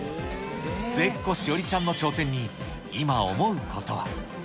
末っ子、志織ちゃんの挑戦に、今思うことは。